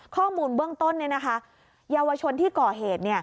ข้อมูลเบื้องต้นเยาวชนที่ก่อเหตุ